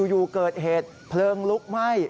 อยู่เกิดเหตุเพลิงลุกไหม้